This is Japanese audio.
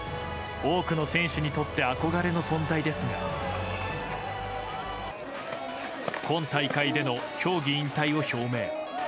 多くの選手にとって憧れの存在ですが今大会での競技引退を表明。